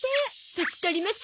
助かります。